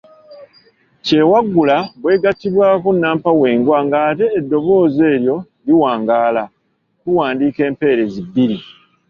Kyewaggula bw’egattibwako nnampawengwa ng'ate eddoboozi eryo liwangaala, tuwandiika empeerezi bbiri.